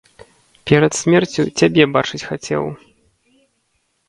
Перад смерцю цябе бачыць хацеў.